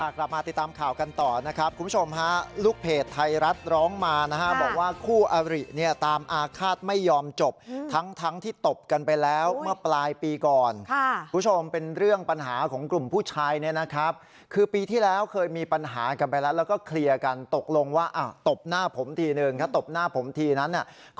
กลับมาติดตามข่าวกันต่อนะครับคุณผู้ชมฮะลูกเพจไทยรัฐร้องมานะฮะบอกว่าคู่อริเนี่ยตามอาฆาตไม่ยอมจบทั้งทั้งที่ตบกันไปแล้วเมื่อปลายปีก่อนคุณผู้ชมเป็นเรื่องปัญหาของกลุ่มผู้ชายเนี่ยนะครับคือปีที่แล้วเคยมีปัญหากันไปแล้วแล้วก็เคลียร์กันตกลงว่าตบหน้าผมทีนึงถ้าตบหน้าผมทีนั้นเนี่ย